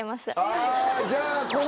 あじゃあ。